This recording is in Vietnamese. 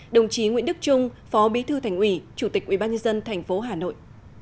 đồng chí nguyễn đức trung phó bí thư thành ủy chủ tịch ubnd tp hà nội